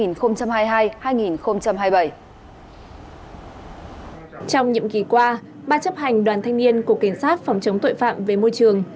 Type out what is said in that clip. trong nhiệm kỳ qua ba chấp hành đoàn thanh niên cục cảnh sát phòng chống tội phạm về môi trường